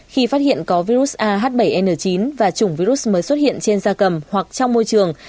khi phát hiện có virus ah bảy n chín và chủng virus mới xuất hiện trên da cầm hoặc trong môi trường